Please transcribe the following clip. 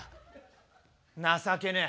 情けねえ。